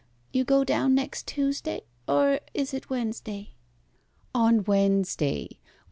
You go down next Tuesday, or is it Wednesday?" "On Wednesday.